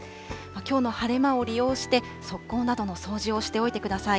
きょうの晴れ間を利用して、側溝などの掃除をしておいてください。